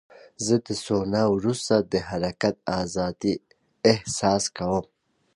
زه د سونا وروسته د حرکت ازادۍ احساس کوم.